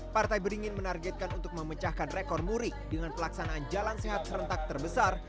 partai beringin menargetkan untuk memecahkan rekor muri dengan pelaksanaan jalan sehat serentak terbesar